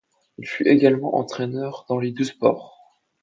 Il fut également entraîneur dans les deux sports.